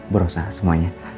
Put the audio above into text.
bu rosa semuanya